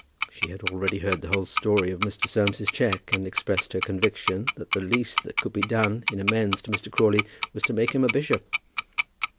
She had already heard the whole story of Mr. Soames's cheque, and expressed her conviction that the least that could be done in amends to Mr. Crawley was to make him a bishop.